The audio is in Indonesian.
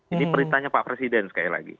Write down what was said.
ini perintahnya pak presiden sekali lagi